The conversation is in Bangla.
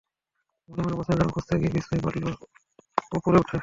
মনে মনে প্রশ্নের জবাব খুঁজতে গিয়ে বিস্ময় বাড়ল ওপরে উঠে।